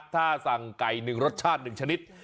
ถ้าสั่งไก่หนึ่งรสชาติหนึ่งชนิด